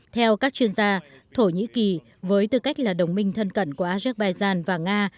theo các chuyên gia thổ nhĩ kỳ với tư cách là đồng minh thân cận của azerbaijan và nga